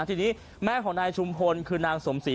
ทีนี้แม่ชุมพลคือนางก็บอกเสียใจกับชุมพล